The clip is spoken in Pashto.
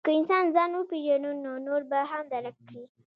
که انسان ځان وپېژني، نو نور به هم درک کړي.